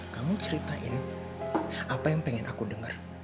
kamu ceritain apa yang pengen aku dengar